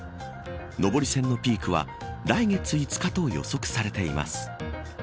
上り線のピークは来月５日と予測されています。